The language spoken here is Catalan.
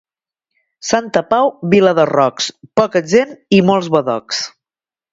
Santa Pau, vila de rocs, poca gent i molts badocs.